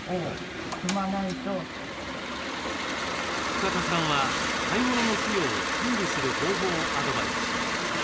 深田さんは買い物の費用を管理する方法をアドバイスしました。